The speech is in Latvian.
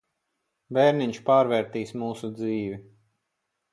Bērniņš pārvērtīs mūsu dzīvi.